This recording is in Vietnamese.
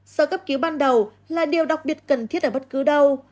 sơ cấp cứu ban đầu là điều đặc biệt cần thiết ở bất cứ đâu